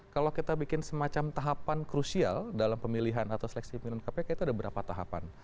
kalau kita bikin semacam tahapan krusial dalam pemilihan atau seleksi pimpinan kpk itu ada berapa tahapan